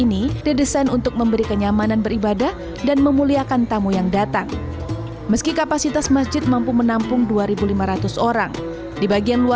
masjid yang diberi konsep sebagai masjid muslim